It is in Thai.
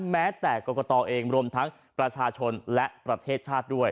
แม้แต่กรกตเองรวมทั้งประชาชนและประเทศชาติด้วย